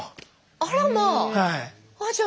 あらまあ。